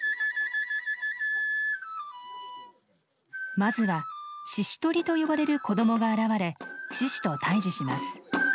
まずは獅子とりと呼ばれる子供が現れ獅子と対峙します。